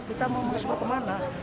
kita mau mengespor kemana